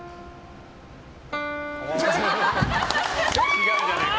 違うじゃないか。